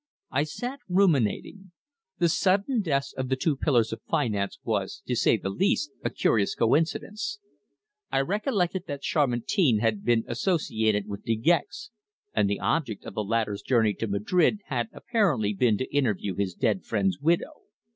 I sat ruminating. The sudden deaths of the two pillars of finance was, to say the least, a curious coincidence. I recollected that Chamartin had been associated with De Gex, and the object of the latter's journey to Madrid had apparently been to interview his dead friend's widow.